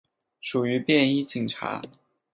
属于便衣警察。